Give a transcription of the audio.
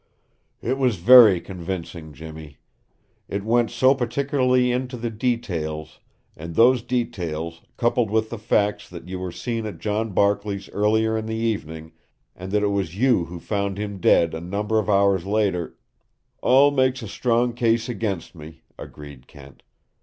"It was very convincing, Jimmy. It went so particularly into the details, and those details, coupled with the facts that you were seen at John Barkley's earlier in the evening, and that it was you who found him dead a number of hours later " "All make a strong case against me," agreed Kent.